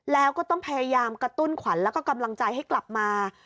แล้วก็ต้องพยายามกระตุ้นขวัญแล้วก็กำลังใจให้กลับมา